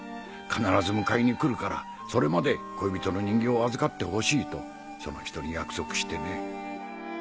必ず迎えに来るからそれまで恋人の人形を預かってほしいとその人に約束してね。